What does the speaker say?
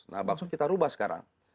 nah bank sos kita rubah sekarang